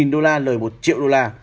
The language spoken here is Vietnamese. một đô la lời một triệu đô la